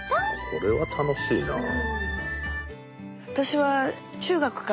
これは楽しいなあ。